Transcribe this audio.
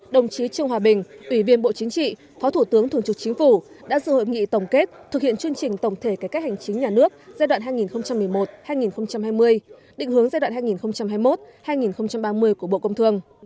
đồng chí trương hòa bình ủy viên bộ chính trị phó thủ tướng thường trực chính phủ đã dự hội nghị tổng kết thực hiện chương trình tổng thể cải cách hành chính nhà nước giai đoạn hai nghìn một mươi một hai nghìn hai mươi định hướng giai đoạn hai nghìn hai mươi một hai nghìn ba mươi của bộ công thương